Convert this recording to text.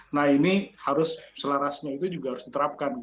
nah ini harus selarasnya itu juga harus diterapkan